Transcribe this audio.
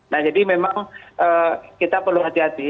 nah jadi memang kita perlu hati hati